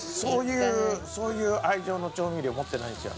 そういう愛情の調味料持ってないんですよ